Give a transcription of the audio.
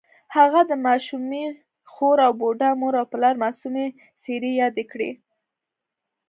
هغه د ماشومې خور او بوډا مور او پلار معصومې څېرې یادې کړې